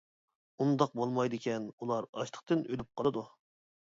ئۇنداق بولمايدىكەن، ئۇلار ئاچلىقتىن ئۆلۈپ قالىدۇ.